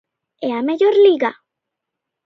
E a mellor Liga?